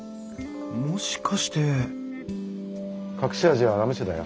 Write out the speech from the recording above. もしかして隠し味はラム酒だよ。